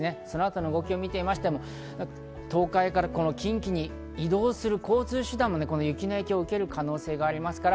そのあとの動きを見ても東海から近畿に移動する交通手段も雪の影響を受ける可能性があります。